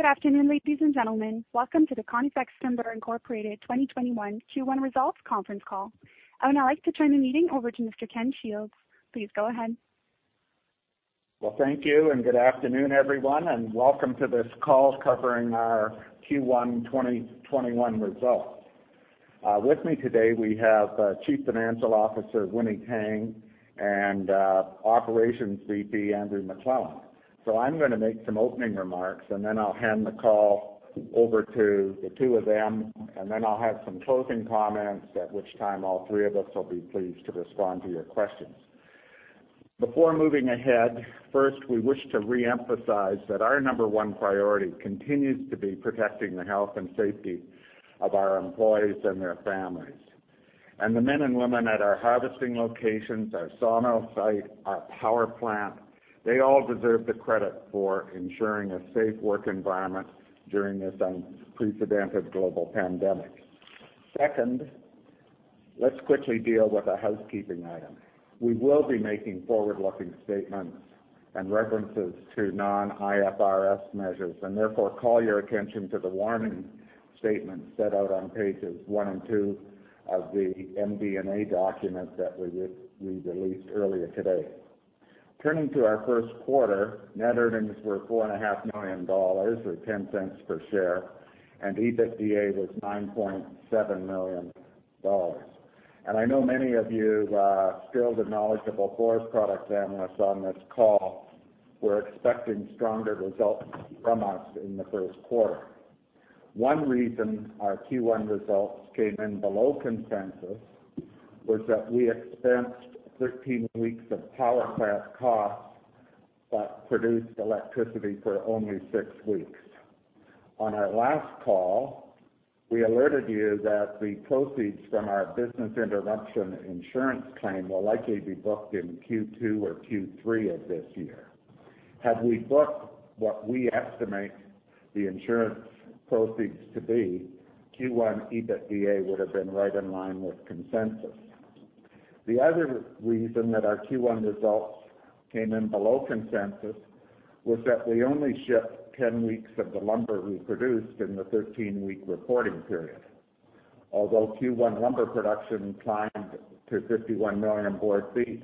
Good afternoon, ladies and gentlemen. Welcome to the Conifex Timber Inc 2021 Q1 Results Conference Call. I would now like to turn the meeting over to Mr. Ken Shields. Please go ahead. Well, thank you, and good afternoon, everyone, and welcome to this call covering our Q1 2021 results. With me today, we have Chief Financial Officer, Winny Tang and Operations VP Andrew McLellan. I'm going to make some opening remarks, and then I'll hand the call over to the two of them, and then I'll have some closing comments, at which time all three of us will be pleased to respond to your questions. Before moving ahead, first, we wish to reemphasize that our number one priority continues to be protecting the health and safety of our employees and their families. The men and women at our harvesting locations, our sawmill site, our power plant, they all deserve the credit for ensuring a safe work environment during this unprecedented global pandemic. Second, let's quickly deal with a housekeeping item. We will be making forward-looking statements and references to non-IFRS measures, therefore call your attention to the warning statement set out on pages one and two of the MD&A document that we released earlier today. Turning to our first quarter, net earnings were 4.5 million dollars, or 0.10 per share, and EBITDA was 9.7 million dollars. I know many of you skilled and knowledgeable forest product analysts on this call were expecting stronger results from us in the first quarter. One reason our Q1 results came in below consensus was that we expensed 13 weeks of power plant costs but produced electricity for only six weeks. On our last call, we alerted you that the proceeds from our business interruption insurance claim will likely be booked in Q2 or Q3 of this year. Had we booked what we estimate the insurance proceeds to be, Q1 EBITDA would have been right in line with consensus. The other reason that our Q1 results came in below consensus was that we only shipped 10 weeks of the lumber we produced in the 13-week reporting period. Although Q1 lumber production climbed to 51 million board ft,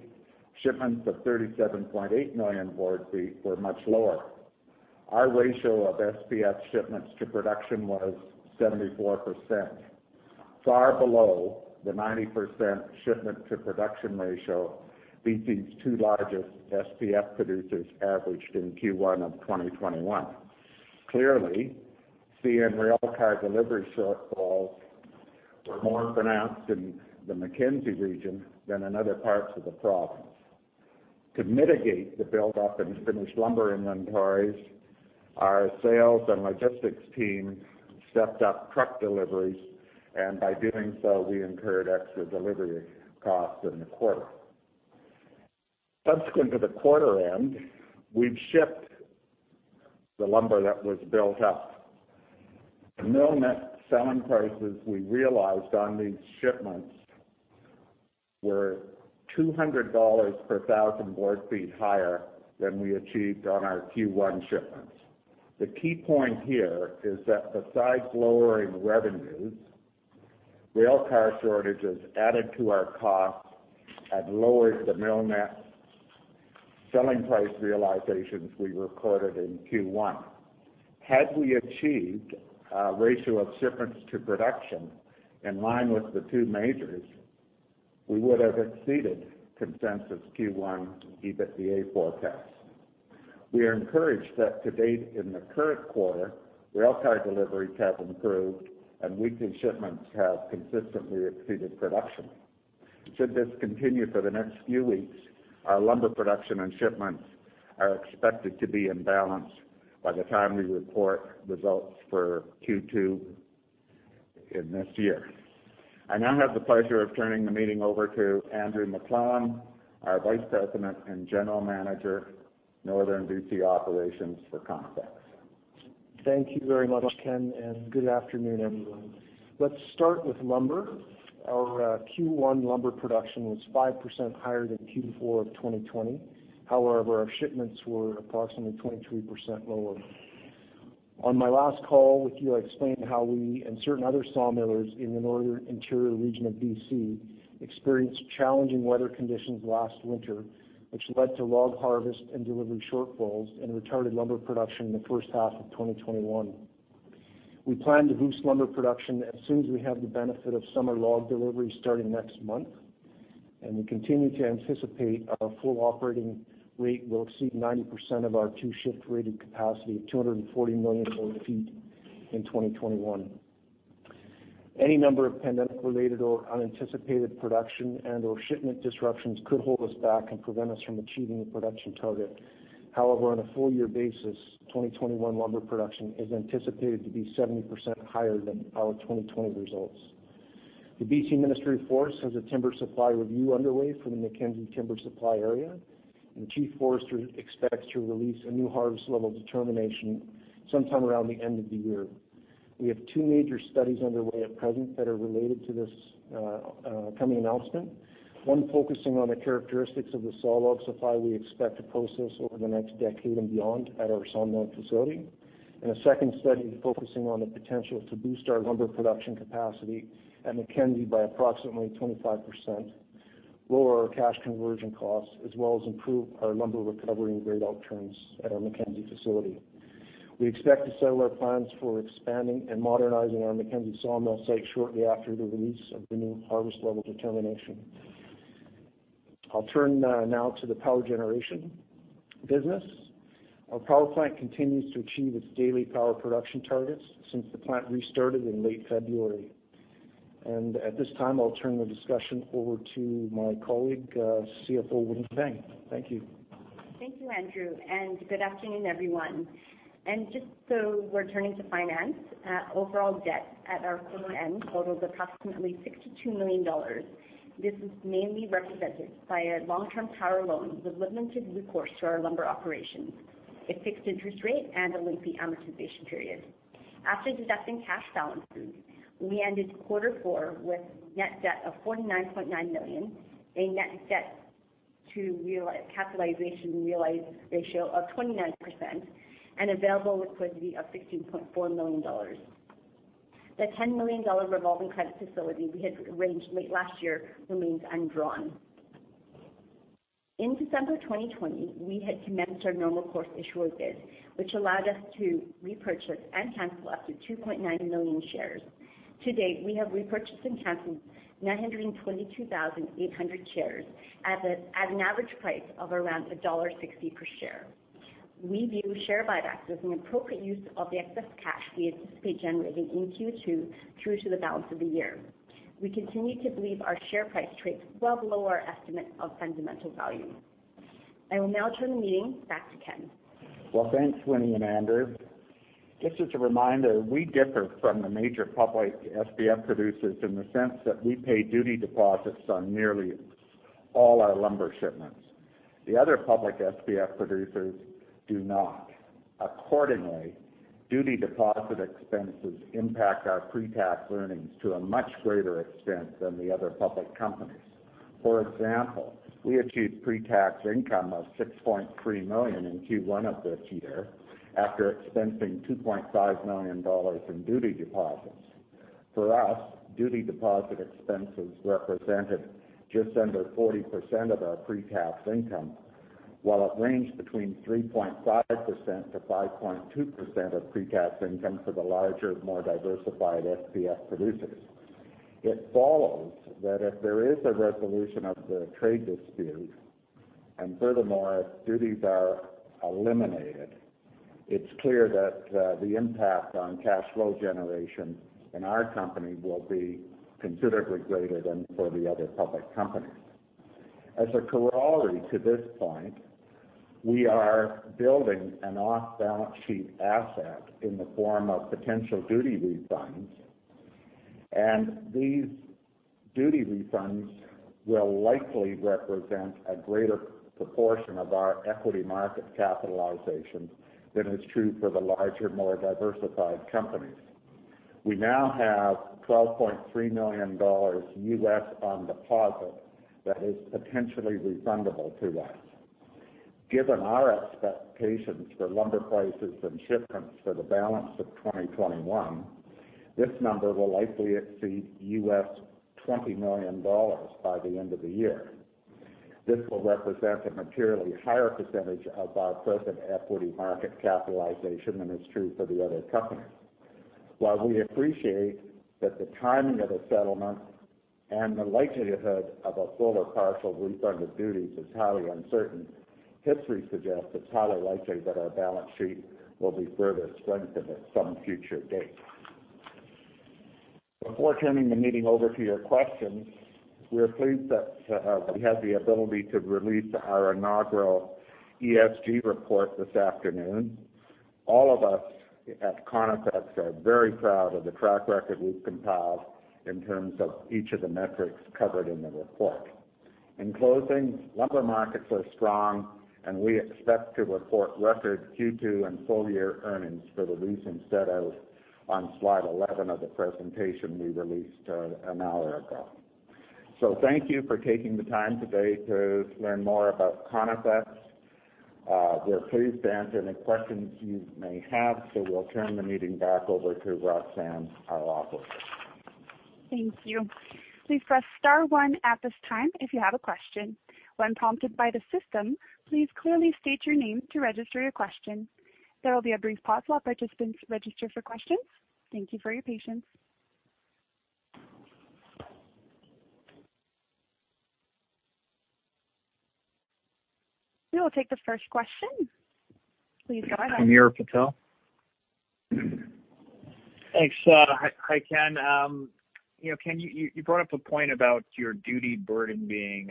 shipments of 37.8 million board ft were much lower. Our ratio of SPF shipments to production was 74%, far below the 90% shipment to production ratio BC's two largest SPF producers averaged in Q1 of 2021. Clearly, CN railcar delivery shortfalls were more pronounced in the Mackenzie region than in other parts of the province. To mitigate the buildup in finished lumber inventories, our sales and logistics team stepped up truck deliveries, and by doing so, we incurred extra delivery costs in the quarter. Subsequent to the quarter end, we've shipped the lumber that was built up. The mill net selling prices we realized on these shipments were 200 dollars per 1,000 board ft higher than we achieved on our Q1 shipments. The key point here is that besides lowering revenues, railcar shortages added to our costs and lowered the mill net selling price realizations we recorded in Q1. Had we achieved a ratio of shipments to production in line with the two majors, we would have exceeded consensus Q1 EBITDA forecasts. We are encouraged that to date in the current quarter, railcar deliveries have improved, and weekly shipments have consistently exceeded production. Should this continue for the next few weeks, our lumber production and shipments are expected to be in balance by the time we report results for Q2 in this year. I now have the pleasure of turning the meeting over to Andrew McLellan, our Vice President and General Manager, Northern BC Operations for Conifex. Thank you very much, Ken, and good afternoon, everyone. Let's start with lumber. Our Q1 lumber production was 5% higher than Q4 of 2020. However, our shipments were approximately 23% lower. On my last call with you, I explained how we and certain other sawmills in the Northern Interior region of BC experienced challenging weather conditions last winter, which led to log harvest and delivery shortfalls and retarded lumber production in the first half of 2021. We plan to boost lumber production as soon as we have the benefit of summer log delivery starting next month, and we continue to anticipate our full operating rate will exceed 90% of our two-shift rated capacity of 240 million board feet in 2021. Any number of pandemic-related or unanticipated production and/or shipment disruptions could hold us back and prevent us from achieving the production target. On a full-year basis, 2021 lumber production is anticipated to be 70% higher than our 2020 results. The BC Ministry of Forests has a timber supply review underway for the Mackenzie timber supply area, and Chief Forester expects to release a new harvest level determination sometime around the end of the year. We have two major studies underway at present that are related to this coming announcement. One focusing on the characteristics of the sawlog supply we expect to process over the next decade and beyond at our sawmill facility, and a second study focusing on the potential to boost our lumber production capacity at Mackenzie by approximately 25%, lower our cash conversion costs, as well as improve our lumber recovery and grade outturns at our Mackenzie facility. We expect to settle our plans for expanding and modernizing our Mackenzie sawmill site shortly after the release of the new harvest level determination. I'll turn now to the power generation business. Our power plant continues to achieve its daily power production targets since the plant restarted in late February. At this time, I'll turn the discussion over to my colleague, CFO Winny Tang. Thank you. Thank you, Andrew. Good afternoon, everyone. Just so we're turning to finance, overall debt at our quarter-end totals approximately 62 million dollars. This is mainly represented by a long-term power loan with limited recourse to our lumber operations, a fixed interest rate, and a lengthy amortization period. After deducting cash balances, we ended quarter four with net debt of 49.9 million, a net debt to capitalization realized ratio of 29%, and available liquidity of 16.4 million dollars. The 10 million dollar revolving credit facility we had arranged late last year remains undrawn. In December 2020, we had commenced our normal course issuer bid, which allowed us to repurchase and cancel up to 2.9 million shares. To date, we have repurchased and canceled 922,800 shares at an average price of around dollar 1.60 per share. We view share buybacks as an appropriate use of the excess cash we anticipate generating in Q2 through to the balance of the year. We continue to believe our share price trades well below our estimate of fundamental value. I will now turn the meeting back to Ken. Well, thanks, Winny and Andrew. Just as a reminder, we differ from the major public SPF producers in the sense that we pay duty deposits on nearly all our lumber shipments. The other public SPF producers do not. Duty deposit expenses impact our pre-tax earnings to a much greater extent than the other public companies. We achieved pre-tax income of 6.3 million in Q1 of this year after expensing 2.5 million dollars in duty deposits. For us, duty deposit expenses represented just under 40% of our pre-tax income, while it ranged between 3.5%-5.2% of pre-tax income for the larger, more diversified SPF producers. If there is a resolution of the trade dispute, if duties are eliminated, it's clear that the impact on cash flow generation in our company will be considerably greater than for the other public companies. As a corollary to this point, we are building an off-balance sheet asset in the form of potential duty refunds, and these duty refunds will likely represent a greater proportion of our equity market capitalization than is true for the larger, more diversified companies. We now have $12.3 million on deposit that is potentially refundable to us. Given our expectations for lumber prices and shipments for the balance of 2021, this number will likely exceed $20 million by the end of the year. This will represent a materially higher percentage of our present equity market capitalization than is true for the other companies. While we appreciate that the timing of a settlement and the likelihood of a full or partial refund of duties is highly uncertain, history suggests it's highly likely that our balance sheet will be further strengthened at some future date. Before turning the meeting over to your questions, we're pleased that we have the ability to release our inaugural ESG report this afternoon. All of us at Conifex are very proud of the track record we've compiled in terms of each of the metrics covered in the report. In closing, lumber markets are strong, and we expect to report record Q2 and full-year earnings for the reasons set out on slide 11 of the presentation we released an hour ago. Thank you for taking the time today to learn more about Conifex. We're pleased to answer any questions you may have, we'll turn the meeting back over to Roxanne, our operator. Thank you. Please press star one at this time if you have a question. When prompted by the system, please clearly state your name to register your question. There will be a brief pause while participants register for questions. Thank you for your patience. We will take the first question. Please go ahead. Hamir Patel. Thanks. Hi, Ken. Ken, you brought up a point about your duty burden being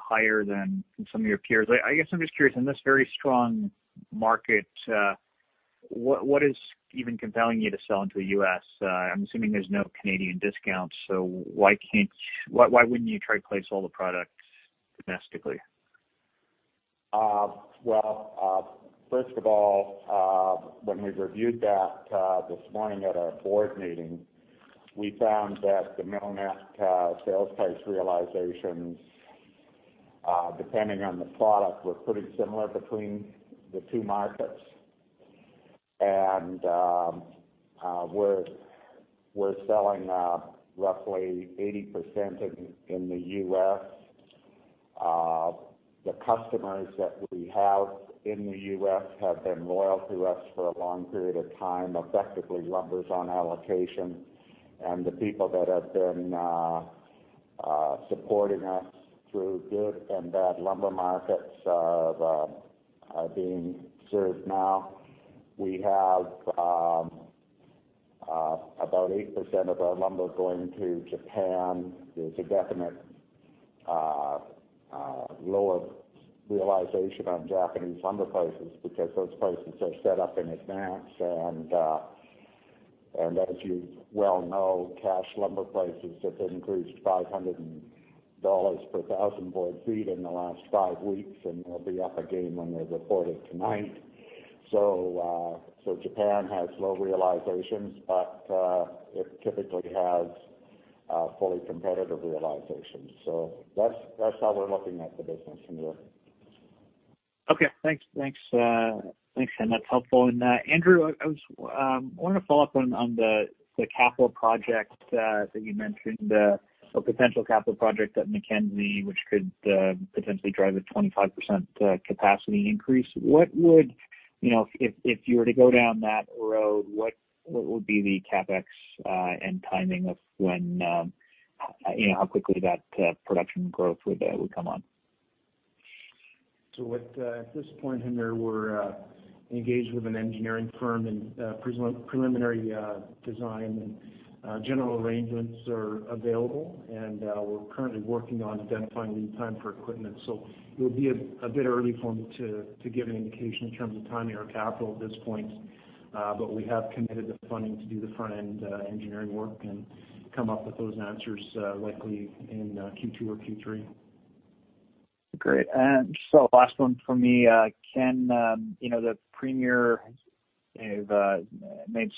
higher than some of your peers. I guess I'm just curious, in this very strong market, what is even compelling you to sell into the U.S.? I'm assuming there's no Canadian discount. Why wouldn't you try to place all the products domestically? Well, first of all, when we reviewed that this morning at our board meeting, we found that the mill net sales price realizations, depending on the product, were pretty similar between the two markets. We're selling roughly 80% in the U.S. The customers that we have in the U.S. have been loyal to us for a long period of time, effectively lumber's on allocation, and the people that have been supporting us through good and bad lumber markets are being served now. We have about 8% of our lumber going to Japan. There's a definite lower realization on Japanese lumber prices because those prices are set up in advance. As you well know, cash lumber prices have increased 500 dollars per thousand board ft in the last five weeks, and they'll be up again when they're reported tonight. Japan has low realizations, but it typically has fully competitive realizations. That's how we're looking at the business, Hamir. Okay. Thanks. That's helpful. Andrew, I wanted to follow up on the capital project that you mentioned, a potential capital project at Mackenzie, which could potentially drive a 25% capacity increase. If you were to go down that road, what would be the CapEx and timing of how quickly that production growth would come on? At this point, Hamir, we're engaged with an engineering firm in preliminary design, and general arrangements are available, and we're currently working on identifying lead time for equipment. It would be a bit early for me to give an indication in terms of timing or capital at this point. We have committed the funding to do the front-end engineering work and come up with those answers, likely in Q2 or Q3. Great. Just a last one from me. Ken, the Premier made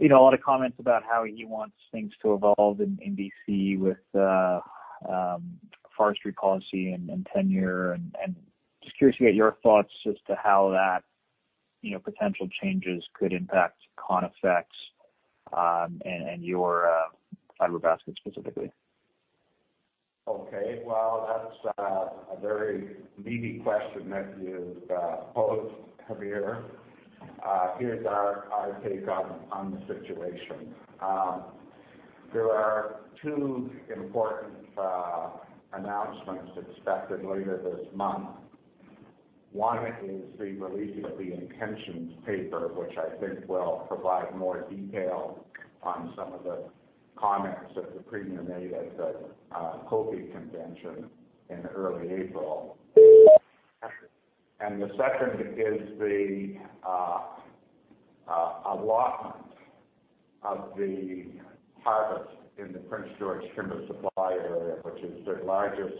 a lot of comments about how he wants things to evolve in BC with forestry policy and tenure. Just curious to get your thoughts as to how that potential changes could impact Conifex and your fiber basket specifically. Okay. Well, that's a very meaty question that you posed, Hamir. Here's our take on the situation. There are two important announcements expected later this month. One is the release of the intentions paper, which I think will provide more detail on some of the comments that the Premier made at the COFI convention in early April. The second is the allotment of the harvest in the Prince George Timber Supply Area, which is the largest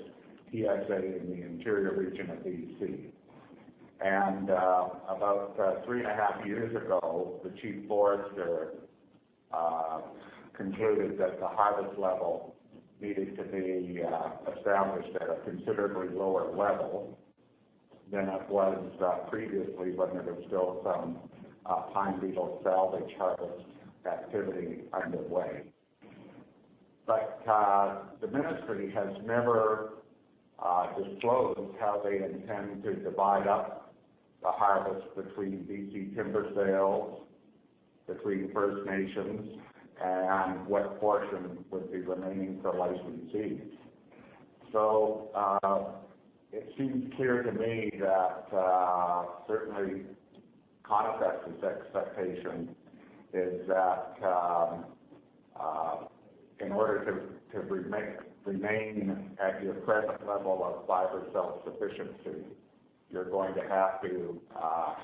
TSA in the interior region of BC. About three and a half years ago, the chief forester concluded that the harvest level needed to be established at a considerably lower level than it was previously when there was still some pine beetle salvage harvest activity underway. The ministry has never disclosed how they intend to divide up the harvest between BC Timber Sales, between First Nations, and what portion would be remaining for licensees. It seems clear to me that certainly Conifex's expectation is that in order to remain at your present level of fiber self-sufficiency, you're going to have to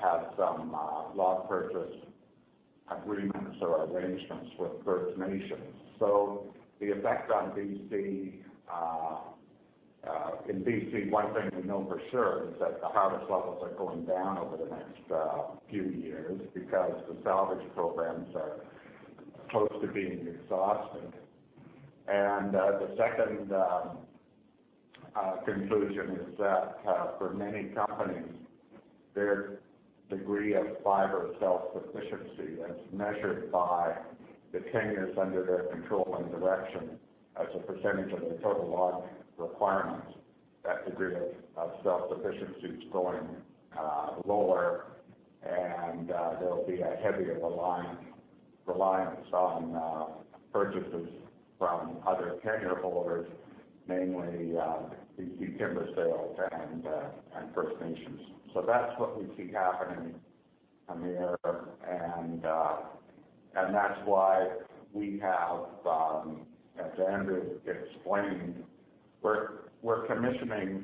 have some log purchase agreements or arrangements with First Nations. The effect in BC, one thing we know for sure is that the harvest levels are going down over the next few years because the salvage programs are close to being exhausted. The second conclusion is that for many companies, their degree of fiber self-sufficiency, as measured by the tenures under their control and direction as a percentage of their total log requirements, that degree of self-sufficiency is going lower and there'll be a heavier reliance on purchases from other tenure holders, namely BC Timber Sales and First Nations. That's what we see happening, Hamir, and that's why we have, as Andrew explained, we're commissioning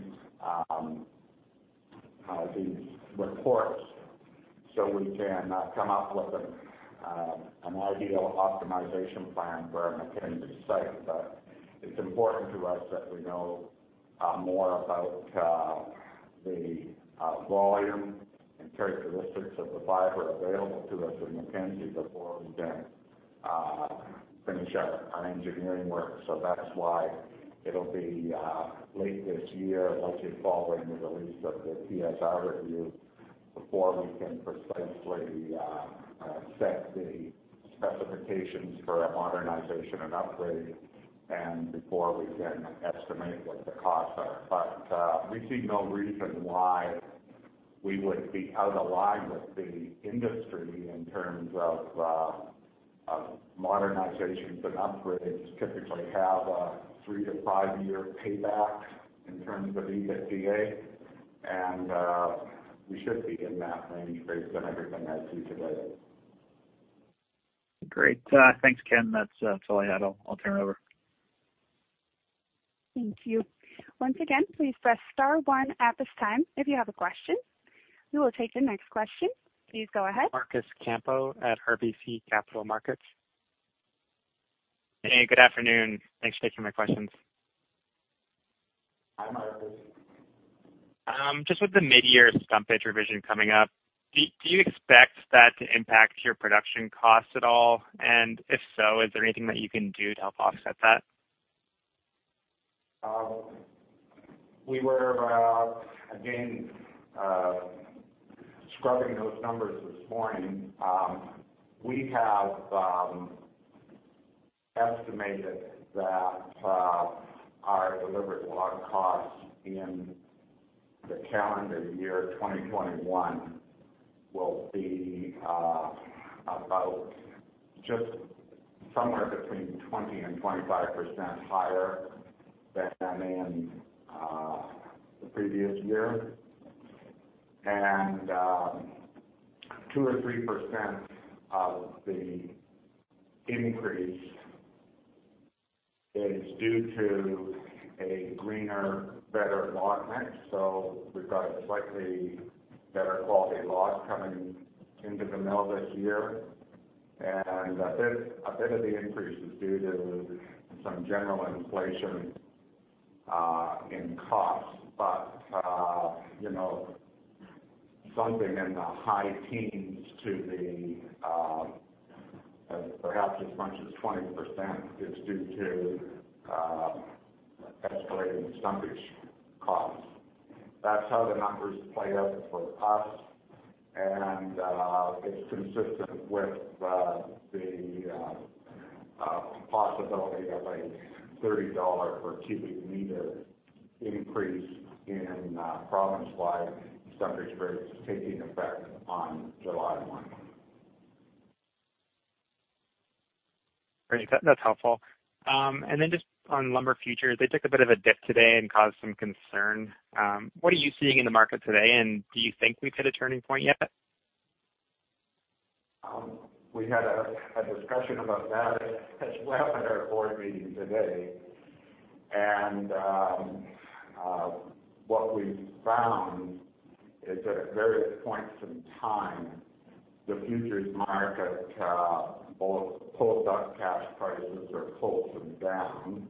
these reports, so we can come up with an ideal optimization plan for our Mackenzie site. It's important to us that we know more about the volume and characteristics of the fiber available to us in Mackenzie before we can finish our engineering work. That's why it'll be late this year, likely following the release of the TSR review, before we can precisely set the specifications for a modernization and upgrade, and before we can estimate what the costs are. We see no reason why we would be out of line with the industry in terms of modernizations and upgrades typically have a three to five-year payback in terms of EBITDA. We should be in that range based on everything I see today. Great. Thanks, Ken. That's all I had. I'll turn it over. Thank you. Once again, please press star one at this time if you have a question. We will take the next question. Please go ahead. Marcus Campeau at RBC Capital Markets. Good afternoon. Thanks for taking my questions. Hi, Marcus. Just with the midyear stumpage revision coming up, do you expect that to impact your production costs at all? If so, is there anything that you can do to help offset that? We were, again, scrubbing those numbers this morning. We have estimated that our delivered log costs in the calendar year 2021 will be about just somewhere between 20% and 25% higher than in the previous year. 2% or 3% of the increase is due to a greener, better log mix. We've got a slightly better quality log coming into the mill this year. A bit of the increase is due to some general inflation in costs. Something in the high teens to perhaps as much as 20% is due to escalating stumpage costs. That's how the numbers play out for us, and it's consistent with the possibility of a CAD 30 per cu m increase in province-wide stumpage rates taking effect on July 1. Great. That's helpful. Just on lumber futures, they took a bit of a dip today and caused some concern. What are you seeing in the market today, and do you think we've hit a turning point yet? We had a discussion about that as well at our board meeting today. What we found is that at various points in time, the futures market both pulled up cash prices or pulled them down.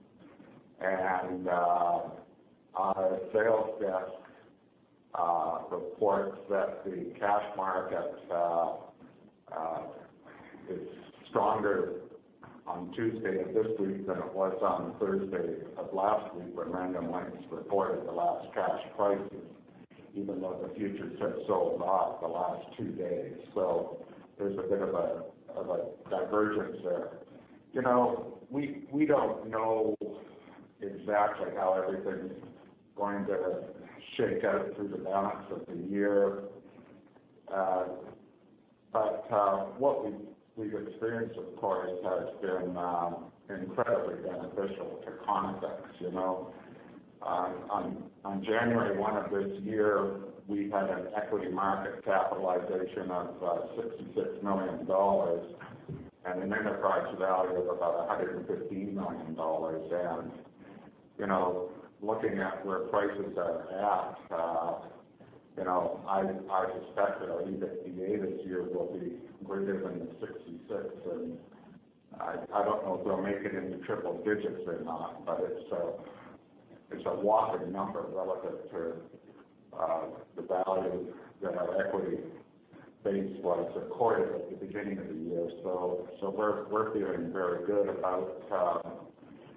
Our sales desk reports that the cash market is stronger on Tuesday of this week than it was on Thursday of last week when Random Lengths reported the last cash prices, even though the futures have sold off the last two days. There's a bit of a divergence there. We don't know exactly how everything's going to shake out through the balance of the year. What we've experienced, of course, has been incredibly beneficial to Conifex. On January 1 of this year, we had an equity market capitalization of 66 million dollars and an enterprise value of about 115 million dollars. Looking at where prices are at I suspect our EBITDA this year will be greater than the 66 million. I don't know if it'll make it into triple digits or not, but it's a whopping number relative to the value that our equity base was accorded at the beginning of the year. We're feeling very good about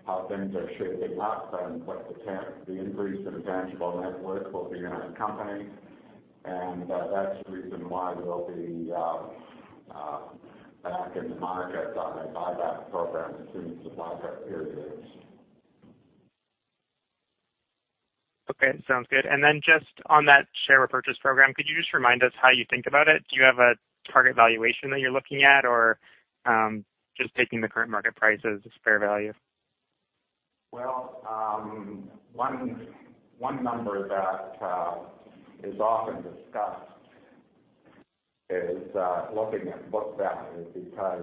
how things are shaping up and what the increase in tangible net worth will be in our company. That's the reason why we'll be back in the market on a buyback program as soon as the buyback period opens. Okay. Sounds good. Just on that share repurchase program, could you just remind us how you think about it? Do you have a target valuation that you're looking at, or just taking the current market price as a fair value? One number that is often discussed is looking at book value because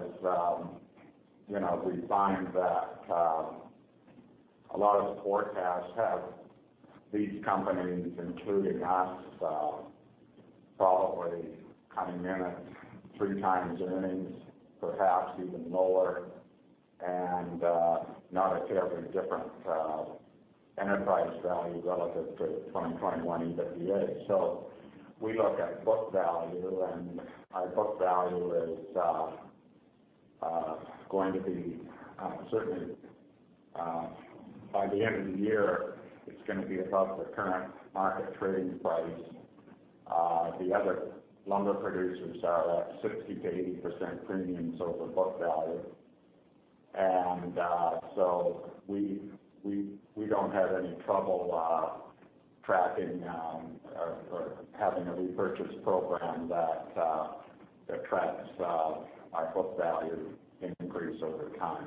we find that a lot of the forecasts have these companies, including us, probably coming in at three times earnings, perhaps even lower, and not a terribly different enterprise value relative to 2021 EBITDA. We look at book value, and our book value is going to be, certainly by the end of the year, it's going to be above the current market trading price. The other lumber producers are at 60%-80% premiums over book value. We don't have any trouble tracking or having a repurchase program that tracks our book value increase over time.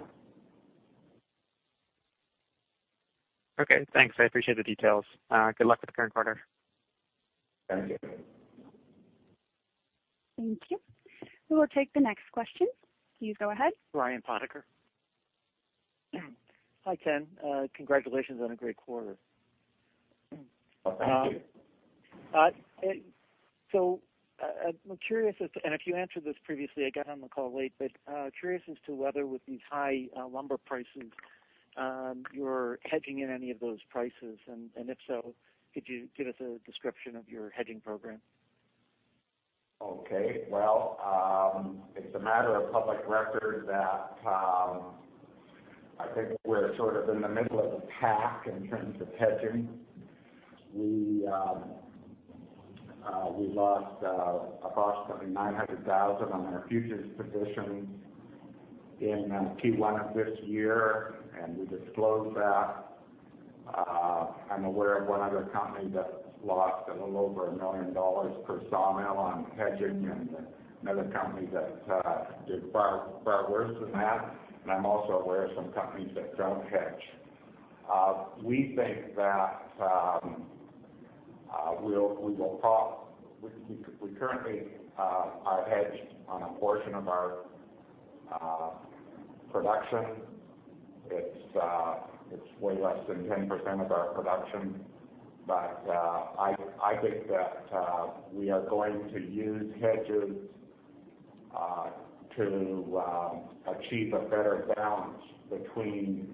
Okay, thanks. I appreciate the details. Good luck with the current quarter. Thank you. Thank you. We will take the next question. Please go ahead. Brian Potecker. Hi, Ken. Congratulations on a great quarter. Thank you. I'm curious as to, and if you answered this previously, I got on the call late, but curious as to whether with these high lumber prices, you're hedging in any of those prices, and if so, could you give us a description of your hedging program? Okay. Well, it's a matter of public record that I think we're sort of in the middle of the pack in terms of hedging. We lost approximately 900,000 on our futures position in Q1 of this year, and we disclosed that. I'm aware of one other company that lost a little over 1 million dollars per sawmill on hedging and another company that did far worse than that. I'm also aware of some companies that don't hedge. We think that we currently are hedged on a portion of our production. It's way less than 10% of our production. I think that we are going to use hedges to achieve a better balance between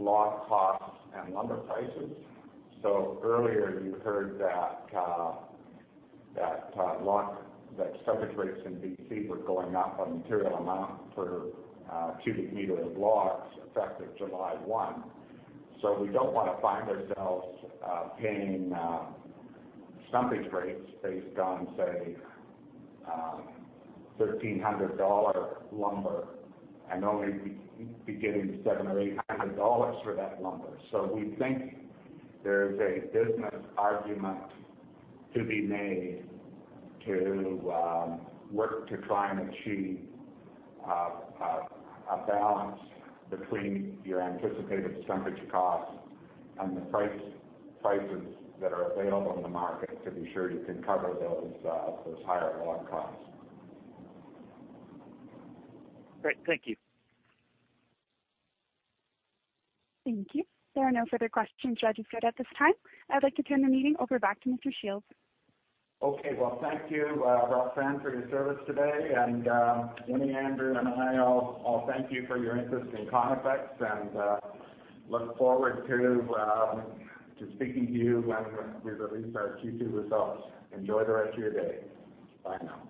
log costs and lumber prices. Earlier you heard that stumpage rates in BC were going up a material amount per cubic meter of logs effective July 1. We don't want to find ourselves paying stumpage rates based on, say, 1,300 dollar lumber and only be getting 700 or 800 dollars for that lumber. We think there's a business argument to be made to work to try and achieve a balance between your anticipated stumpage costs and the prices that are available in the market, to be sure you can cover those higher log costs. Great. Thank you. Thank you. There are no further questions registered at this time. I'd like to turn the meeting over back to Mr. Shields. Okay. Well, thank you, Roxanne, for your service today. Winny, Andrew, and I all thank you for your interest in Conifex and look forward to speaking to you when we release our Q2 results. Enjoy the rest of your day. Bye now.